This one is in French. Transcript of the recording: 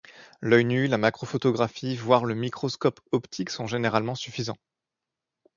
L'œil nu, la macrophotographie, voire le microscope optique, sont généralement suffisants.